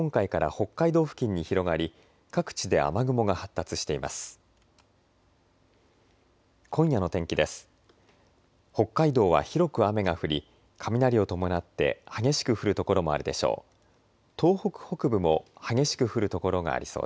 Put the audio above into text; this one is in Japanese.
北海道は広く雨が降り雷を伴って激しく降る所もあるでしょう。